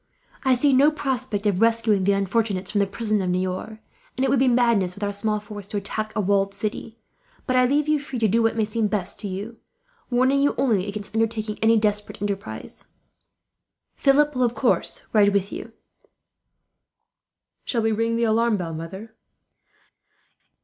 I see no prospect of rescuing the unfortunates from the prison at Niort; and it would be madness, with our small force, to attack a walled city; but I leave you free to do what may seem best to you, warning you only against undertaking any desperate enterprise. "Philip will, of course, ride with you." "Shall we ring the alarm bell, mother?"